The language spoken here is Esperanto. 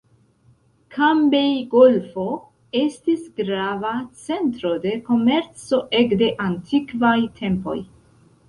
Kambej-Golfo estis grava centro de komerco ekde antikvaj tempoj.